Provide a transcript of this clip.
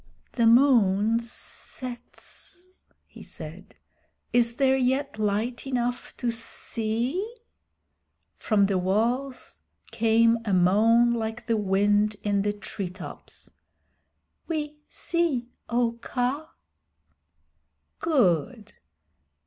"The moon sets," he said. "Is there yet light enough to see?" From the walls came a moan like the wind in the tree tops "We see, O Kaa." "Good.